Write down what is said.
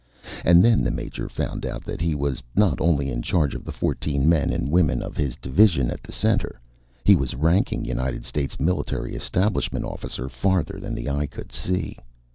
And then the Major found out that he was not only in charge of the fourteen men and women of his division at the center he was ranking United States Military Establishment officer farther than the eye could see.